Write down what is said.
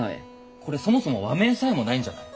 これそもそも和名さえもないんじゃない？